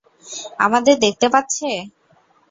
আমাদের দেখতে পাচ্ছে?